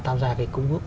tham gia cái công ước